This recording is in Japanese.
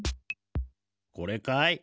これかい？